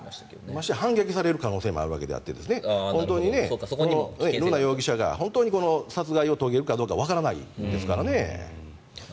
ましてや反撃される可能性もあるわけで瑠奈容疑者が本当に殺害を遂げるかどうかわからないですからね。